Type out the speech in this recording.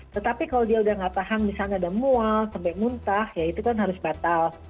tetapi kalau dia udah gak paham misalnya ada mual sampai muntah ya itu kan harus batal